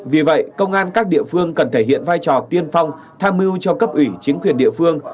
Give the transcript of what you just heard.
vì vậy công an các địa phương cần thể hiện vai trò tiên phong tham mưu cho cấp ủy chính quyền địa phương